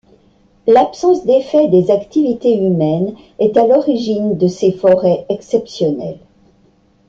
L’absence d’effets des activités humaines est à l’origine de ces forêts exceptionnelles.